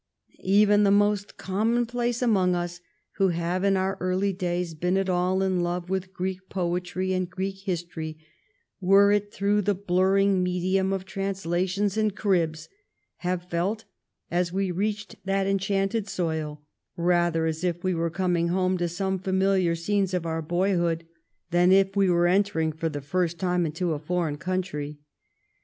Even the most commonplace among us who have in our early days been at all in love with Greek poetry and Greek history, were it through the blurring medium of translations and "cribs," have felt as we reached that enchanted soil rather as if we were coming home to some familiar scenes of our boyhood than as if we were enter THE IONIAN ISLANDS 20S ing for the first time into a foreign country.